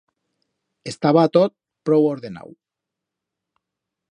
Estaba tot prou ordenau.